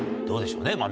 どうでしょうね